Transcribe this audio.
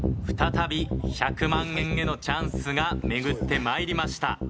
再び１００万円へのチャンスが巡ってまいりました。